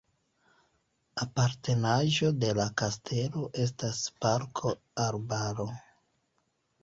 Apartenaĵo de la kastelo estas parko-arbaro.